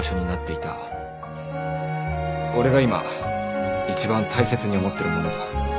俺が今一番大切に思ってるものだ。